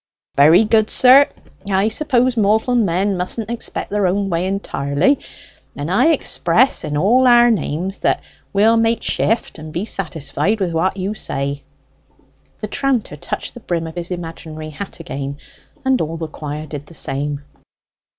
"Very good, sir. I suppose mortal men mustn't expect their own way entirely; and I express in all our names that we'll make shift and be satisfied with what you say." The tranter touched the brim of his imaginary hat again, and all the choir did the same.